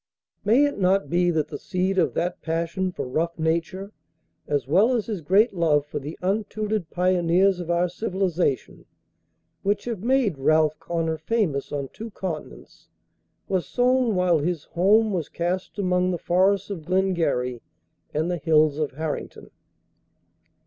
May it not be that the seed of that passion for rough nature, as well as his great love for the untutored pioneers of our civilization, which have made "Ralph Connor" famous on two continents, was sown while his home was cast among the forests of Glengarry and the hills of Harrington?